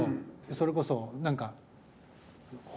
それこそ何か。